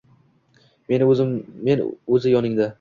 Meni o’z yoningda